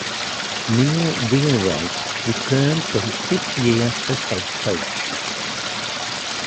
Neil Wheelwright returned for his fifth year as head coach.